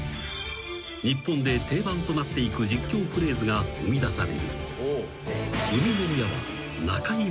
［日本で定番となっていく実況フレーズが生みだされる］